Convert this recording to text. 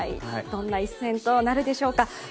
どんな一戦となるでしょうか。